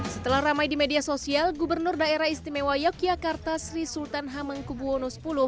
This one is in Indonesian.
setelah ramai di media sosial gubernur daerah istimewa yogyakarta sri sultan hamengkubwono x